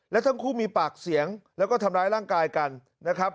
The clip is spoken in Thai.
และทั้งคู่มีปากเสียงแล้วก็ทำร้ายร่างกายกันนะครับ